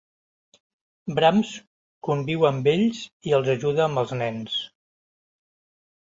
Brahms conviu amb ells i els ajuda amb els nens.